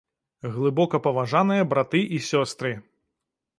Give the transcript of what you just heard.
Глыбокапаважаныя браты і сёстры!